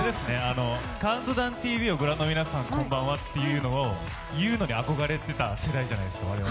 「「ＣＤＴＶ」をご覧の皆さんこんばんは」っていうのが憧れだった世代じゃないですか。